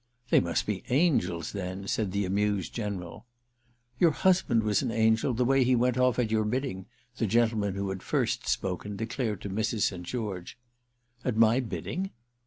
"They must be angels then," said the amused General. "Your husband was an angel, the way he went off at your bidding," the gentleman who had first spoken declared to Mrs. St. George. "At my bidding?"